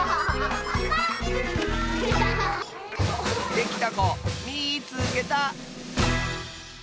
できたこみいつけた！